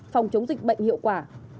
phòng chống dịch bệnh hiệu quả